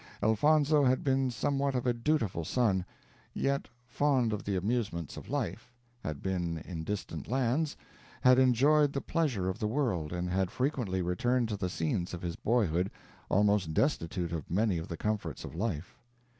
Elfonzo had been somewhat of a dutiful son; yet fond of the amusements of life had been in distant lands had enjoyed the pleasure of the world and had frequently returned to the scenes of his boyhood, almost destitute of many of the comforts of life.